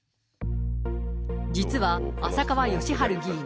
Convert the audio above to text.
実は、浅川義治議員。